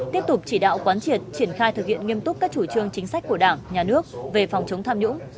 tiếp tục chỉ đạo quán triệt triển khai thực hiện nghiêm túc các chủ trương chính sách của đảng nhà nước về phòng chống tham nhũng